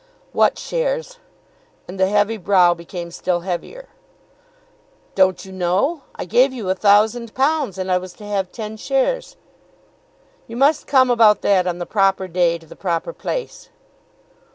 "What shares?" And the heavy brow became still heavier. "Don't you know? I gave you a thousand pounds, and I was to have ten shares." "You must come about that on the proper day, to the proper place."